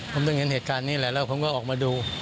ผมเพิ่งเห็นเหตุการณ์นี้แหละแล้วผมก็ออกมาดู